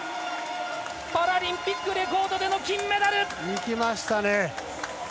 パラリンピックレコードでの金メダル！いきましたね！